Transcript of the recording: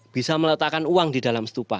bisa meletakkan uang di dalam stupa